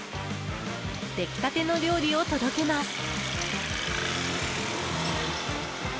出来立ての料理を届けます。